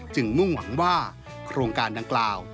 มุ่งหวังว่าโครงการดังกล่าว